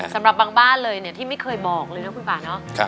สำหรับบางบ้านเลยเนี่ยที่ไม่เคยบอกเลยนะคุณป่าเนาะ